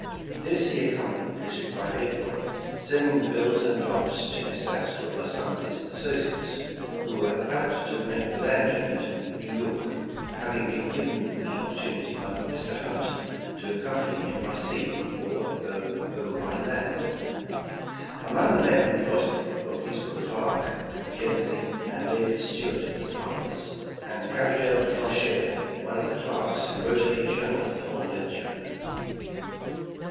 This he accomplished by April, sending the bills and drafts to Mr. Astor by some of his associates, who were about to make the land journey to New York; having been given the op portunity b}^ Mr. Hunt to accompany him by sea, or go home by land. Among the men who crossed the Rockies were Clark, McKenzie and David Stuart of the partners, and Gabriel Franchere, one of the clerks who wrote a journal of the whole venture.